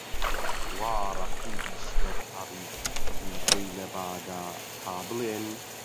وا ڕەقیبیش دەرپەڕی، جووتەی لە با دا، تا بڵێن